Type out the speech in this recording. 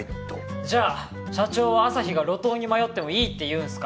じゃあ社長はアサヒが路頭に迷ってもいいっていうんすか？